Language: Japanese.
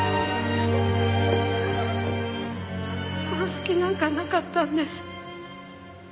殺す気なんかなかったんです。